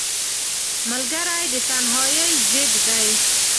ملګری د تنهایۍ ضد دی